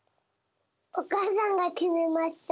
おかあさんがきめました。